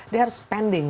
dia harus pending